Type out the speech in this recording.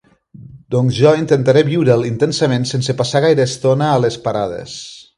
Doncs jo intentaré viure'l intensament sense passar gaire estona a les parades.